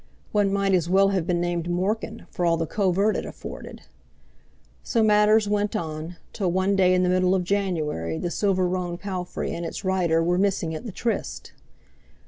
One might as well have been named Morkin for all the covert it afforded! So matters went on, till one day in the middle of January the silver roan palfrey and its rider were missing at the tryst.